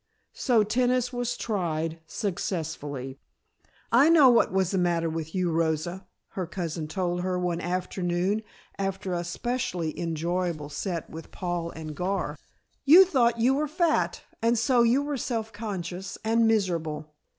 So tennis was tried, successfully. "I know what was the matter with you, Rosa," her cousin told her one afternoon after an especially enjoyable set with Paul and Gar, "you thought you were fat, and so you were self conscious and miserable.